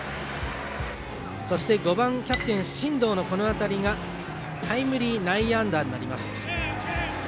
そして、５番キャプテンの進藤のこの当たりがタイムリー内野安打になります。